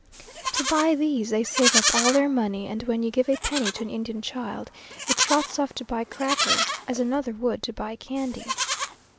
To buy these they save up all their money, and when you give a penny to an Indian child, it trots off to buy crackers, as another would to buy candy.